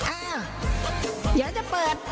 อ้าวอยากจะเปิด